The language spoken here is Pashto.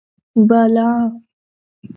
بالا: